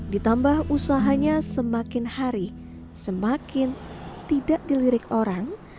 ditambah usahanya semakin hari semakin tidak dilirik orang